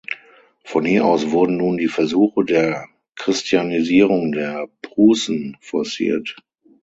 Von hier aus wurden nun die Versuche der Christianisierung der Prußen forciert.